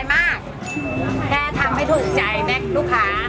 แค่ทำให้ถูกใจแบ็คลูกค้า